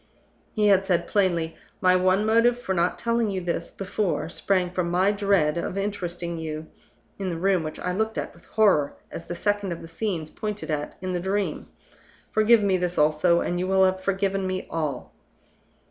He had said plainly, "My one motive for not telling you this before sprang from my dread of interesting you in the room which I looked at with horror as the second of the scenes pointed at in the Dream. Forgive me this also, and you will have forgiven me all."